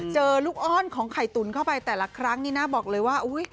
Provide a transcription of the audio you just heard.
เจอลูกอ้อนของไข่ตุ๋นเข้าไปแต่ละครั้งนี่นะบอกเลยว่า